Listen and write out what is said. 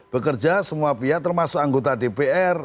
bekerja semua pihak termasuk anggota dpr